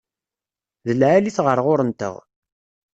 D lεali-t ɣer ɣur-nteɣ.